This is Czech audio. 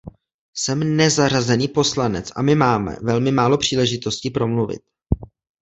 Jsem nezařazený poslanec a my máme velmi málo příležitostí promluvit.